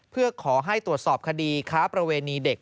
เพื่อขอให้ตรวจสอบคดีค้าประเวณีเด็ก